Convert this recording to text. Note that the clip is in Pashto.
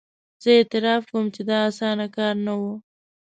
زه اعتراف کوم چې دا اسانه کار نه وو.